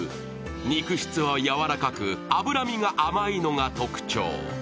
肉質はやわらかく脂身が甘いのが特徴。